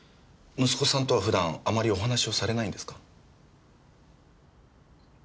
息子さんとは普段あまりお話をされないんですか？